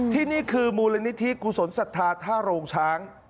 ที่นี่คือมูลนิธิกุศลศรัทธาท่าโรงช้าง